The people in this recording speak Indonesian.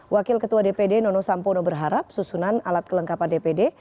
wakil ketua dpd nono sampono berharap susunan alat kelengkapan dpd